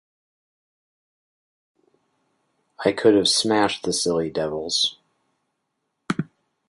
I could have smashed the silly devils.